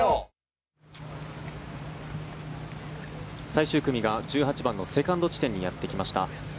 最終組が１８番のセカンド地点にやってきました。